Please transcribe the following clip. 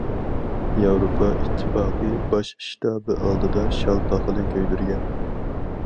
ياۋروپا ئىتتىپاقى باش ئىشتابى ئالدىدا شال پاخىلى كۆيدۈرگەن.